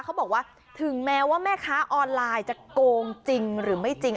เขาบอกว่าถึงแม้ว่าแม่ค้าออนไลน์จะโกงจริงหรือไม่จริง